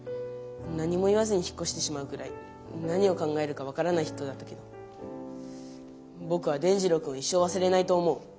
何も言わずに引っこしてしまうぐらい何を考えるか分からない人だったけどぼくは伝じろうくんを一生わすれないと思う。